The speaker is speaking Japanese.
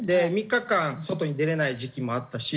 ３日間外に出れない時期もあったし。